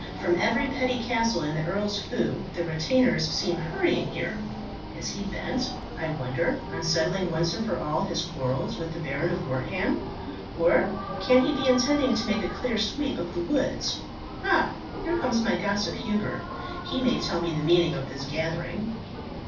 From every petty castle in the Earl's feu the retainers seem hurrying here. Is he bent, I wonder, on settling once and for all his quarrels with the Baron of Wortham? or can he be intending to make a clear sweep of the woods? Ah! here comes my gossip Hubert; he may tell me the meaning of this gathering."